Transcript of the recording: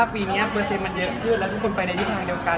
ปีนี้เปอร์เซ็นต์มันเยอะขึ้นแล้วทุกคนไปในทิศทางเดียวกัน